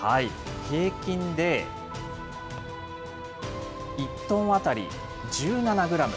平均で１トン当たり１７グラム。